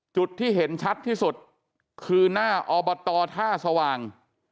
จุดที่เห็นชัดที่สุดคือหน้าอบตท่าสว่าง